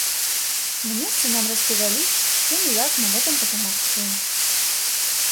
На месцы нам распавялі, чым і як мы можам дапамагчы.